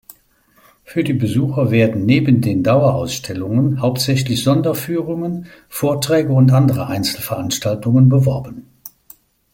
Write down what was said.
Für die Besucher werden neben den Dauerausstellungen hauptsächlich Sonderführungen, Vorträge und andere Einzelveranstaltungen beworben.